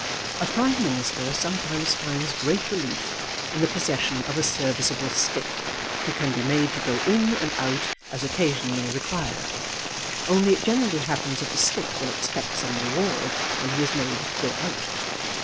A Prime Minister sometimes finds great relief in the possession of a serviceable stick who can be made to go in and out as occasion may require; only it generally happens that the stick will expect some reward when he is made to go out.